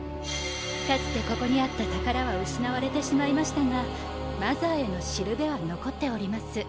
かつてここにあった宝は失われてしまいましたがマザーへの標は残っております。